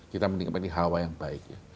kita mendingan apa ini hawa yang baik